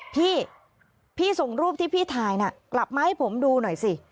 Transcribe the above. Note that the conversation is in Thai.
พี่พี่ส่งรูปที่พี่ถ่ายน่ะกลับมาให้ผมดูหน่อยสิ